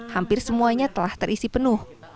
hampir semuanya telah terisi penuh